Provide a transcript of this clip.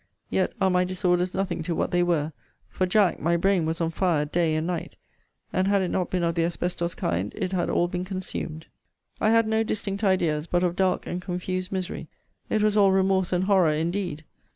Yet are my disorders nothing to what they were; for, Jack, my brain was on fire day and night; and had it not been of the asbestos kind, it had all been consumed. I had no distinct ideas, but of dark and confused misery; it was all remorse and horror indeed!